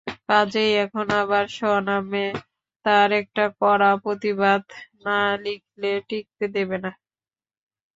কাজেই এখন আবার স্বনামে তার একটা কড়া প্রতিবাদ না লিখলে টিঁকতে দেবে না।